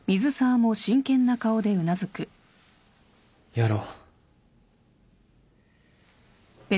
やろう。